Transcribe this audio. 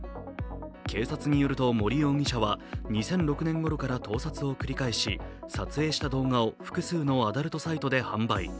警察によると、森容疑者は２００６年ごろから盗撮を繰り返し撮影した動画を複数のアダルトサイトで販売。